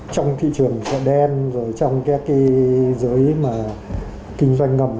trong thị trường chợ đen rồi trong thế giới kinh doanh ngầm